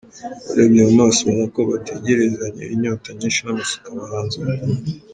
Ubarebye mu maso, ubona ko bategerezanye inyota nyinshi n’amatsiko abahanzi bakunda….